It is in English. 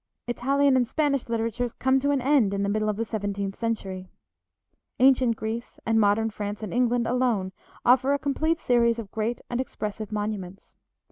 Italian and Spanish literatures come to an end in the middle of the seventeenth century. Ancient Greece, and modern France and England, alone offer a complete series of great and expressive monuments.